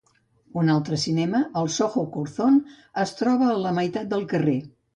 Un altre cinema, el Soho Curzon, es troba a la meitat del carrer.